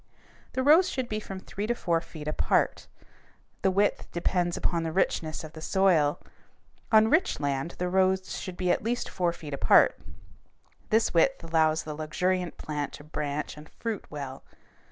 The rows should be from three to four feet apart. The width depends upon the richness of the soil. On rich land the rows should be at least four feet apart. This width allows the luxuriant plant to branch and fruit well.